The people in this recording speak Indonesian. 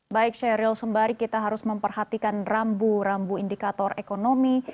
baik sheryl sembari kita harus memperhatikan rambu rambu indikator ekonomi